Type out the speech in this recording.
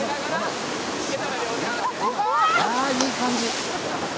ああ、いい感じ。